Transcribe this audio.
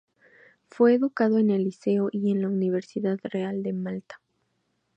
Fue educado en el liceo y en la Universidad Real de Malta.